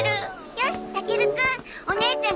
よしタケルくん。